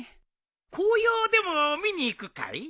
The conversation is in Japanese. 紅葉でも見に行くかい？